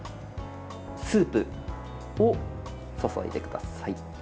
スープを注いでください。